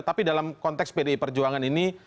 tapi dalam konteks pdi perjuangan ini